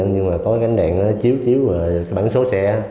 nhưng mà có cái ánh đèn chiếu chiếu và cái bảng số xe